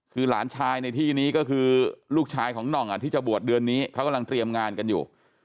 คือหลานชายในที่นี้ก็คือลูกชายของหน่องที่จะบวชเดือนนี้เขากำลังเตรียมงานกันอยู่